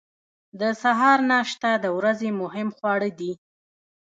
د سهار ناشته د ورځې مهم خواړه دي.